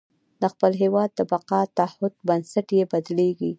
د خپل هېواد د بقا د تعهد بنسټ یې بدلېږي.